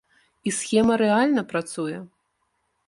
І схема рэальна працуе.